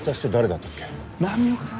波岡さん。